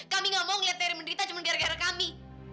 kami gak mau liat terry menderita cuma gara gara kami